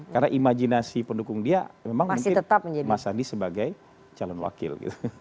karena imajinasi pendukung dia memang masih tetap menjadi mas andi sebagai calon wakil gitu